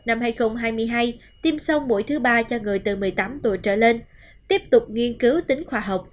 năm hai nghìn hai mươi hai tiêm sau mũi thứ ba cho người từ một mươi tám tuổi trở lên tiếp tục nghiên cứu tính khoa học